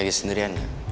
lagi sendirian ya